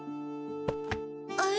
あれ？